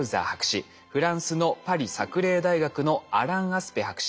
フランスのパリ・サクレー大学のアラン・アスペ博士。